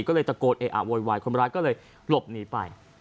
ก็เลยตะโกนเออะโวยวายคนร้ายก็เลยหลบหนีไป